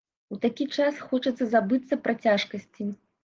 У такі час хочацца забыцца пра цяжкасці.